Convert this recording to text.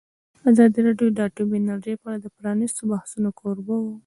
ازادي راډیو د اټومي انرژي په اړه د پرانیستو بحثونو کوربه وه.